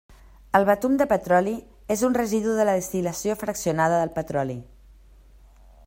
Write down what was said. El betum de petroli és un residu de la destil·lació fraccionada del petroli.